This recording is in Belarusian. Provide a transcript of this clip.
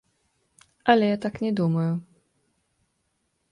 Але я так не думаю.